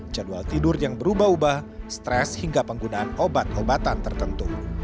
jadwal tidur yang berubah ubah stres hingga penggunaan obat obatan tertentu